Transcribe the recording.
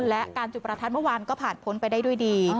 และการจุดประทัดเมื่อวานก็ผ่านพ้นไปได้ด้วยดี